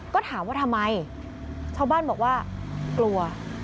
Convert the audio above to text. ก็ถามว่าทำไมชาวบ้านบอกว่ากลัว